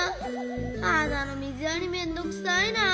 はなのみずやりめんどくさいな。